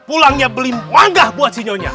pulangnya beli mangga buat sinyonya